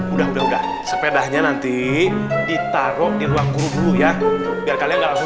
udah udah sepedanya nanti ditaruh di ruang guru ya biar kalian nggak langsung